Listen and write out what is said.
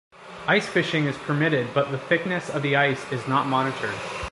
Ice fishing is permitted, but the thickness of the ice is not monitored.